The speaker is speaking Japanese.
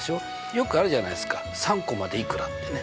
よくあるじゃないですか３個までいくらってね。